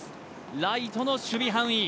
ライトの守備範囲